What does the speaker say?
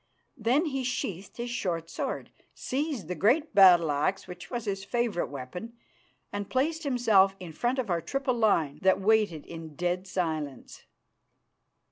Then he sheathed his short sword, seized the great battle axe which was his favourite weapon, and placed himself in front of our triple line that waited in dead silence.